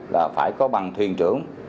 là phải có bằng thuyền trưởng